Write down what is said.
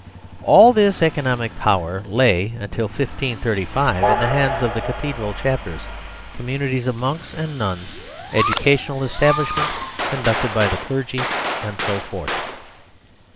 All this economic power lay until 1535 in the hands of Cathedral Chapters, communities of monks and nuns, educational establishments con ducted by the clergy, and so forth.